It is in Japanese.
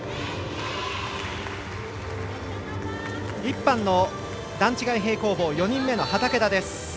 １班の段違い平行棒４人目の畠田です。